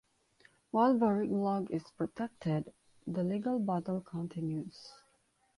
While VarigLog is protected, the legal battle continues.